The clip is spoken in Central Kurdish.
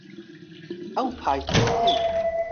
ئەو پایتەختەی